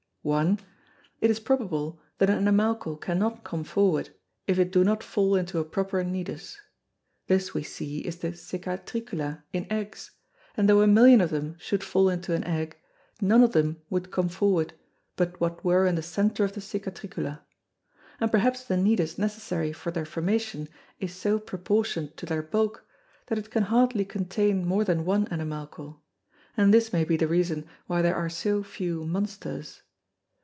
1. It is probable that an Animalcle cannot come forward, if it do not fall into a proper Nidus. This we see is the Cicatricula in Eggs; and tho' a Million of them should fall into an Egg, none of them would come forward, but what were in the Center of the Cicatricula; and perhaps the Nidus necessary for their formation is so proportion'd to their bulk, that it can hardly contain more than one Animalcle; and this may be the reason why there are so few Monsters.